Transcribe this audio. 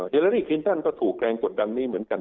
เลอรี่คลินตันก็ถูกแรงกดดันนี้เหมือนกัน